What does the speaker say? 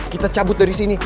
kita cabut dari sini